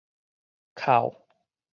扣